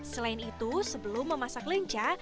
selain itu sebelum memasak lenca